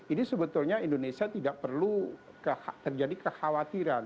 ini sebetulnya indonesia tidak perlu terjadi kekhawatiran